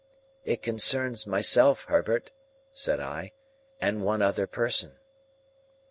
"It concerns myself, Herbert," said I, "and one other person."